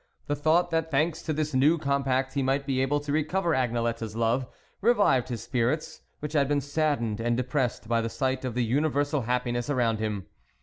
The thought that, thanks to this new compact, he might be able to recover Agnelette's love, revived his spirits, which had been saddened and depressed by the sight of the universal happiness around him.